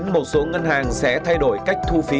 một số ngân hàng sẽ thay đổi cách thu phí